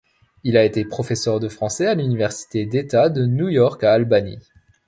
Il a été professeur de français à l'université d'État de New York à Albany.